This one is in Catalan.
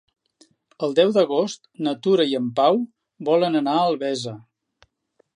El deu d'agost na Tura i en Pau volen anar a Albesa.